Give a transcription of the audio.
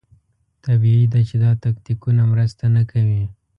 طبیعي ده چې دا تکتیکونه مرسته نه کوي.